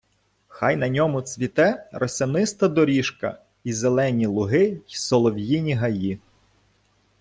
Хай на ньому цвіте росяниста доріжка, і зелені луги, й солов'їні гаї